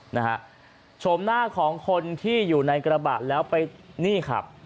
นะฮะโฉมหน้าของคนที่อยู่ในกระบะแล้วไปนี่ครับ